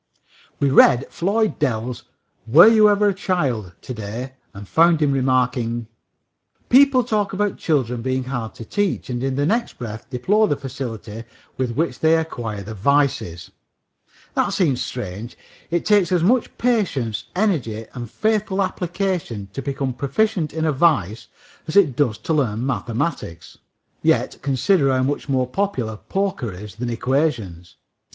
We read Floyd Dell's Were You Ever a Child? to day and found him remarking: "People talk about children being hard to teach and in the next breath deplore the facility with which they acquire the 'vices.' That seems strange. It takes as much patience, energy and faithful application to become proficient in a vice as it does to learn mathematics. Yet consider how much more popular poker is than equations!